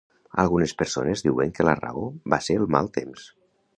Algunes persones diuen que la raó va ser el mal temps.